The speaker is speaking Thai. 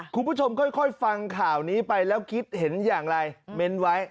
คุณผู้ชมค่อยฟังข่าวนี้ไปแล้วคิดเห็นอย่างไรเม้นไว้